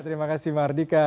terima kasih mardika